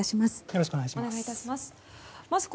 よろしくお願いします。